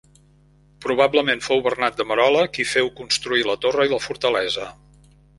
Probablement fou Bernat de Merola qui feu construir la torre i la fortalesa.